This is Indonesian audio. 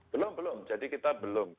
belum belum jadi kita belum